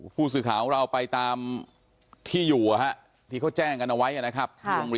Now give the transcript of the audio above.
ผู้สื่อข่าวของเราไปตามที่อยู่ที่เขาแจ้งกันเอาไว้นะครับ